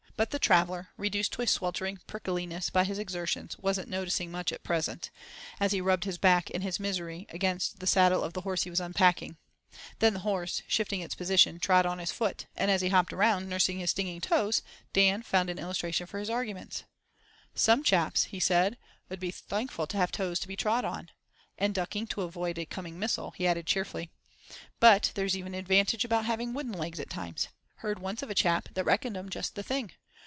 But the traveller, reduced to a sweltering prickliness by his exertions, wasn't "noticing much at present," as he rubbed his back in his misery against the saddle of the horse he was unpacking. Then his horse, shifting its position, trod on his foot; and as he hopped round, nursing his stinging toes, Dan found an illustration for his argument. "Some chaps," he said, "'ud be thankful to have toes to be trod on"; and ducking to avoid a coming missile, he added cheerfully, "But there's even an advantage about having wooden legs at times. Heard once of a chap that reckoned 'em just the thing.